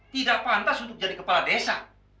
tidak pantas untuk jadi kepala desa